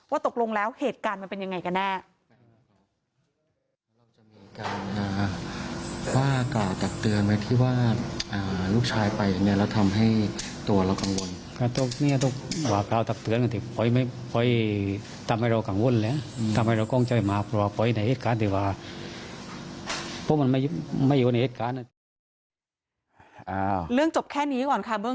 ตกลงแล้วเหตุการณ์มันเป็นยังไงกันแน่